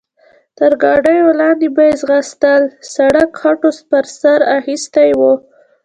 تر ګاډیو لاندې به یې ځغستل، سړک خټو پر سر اخیستی و.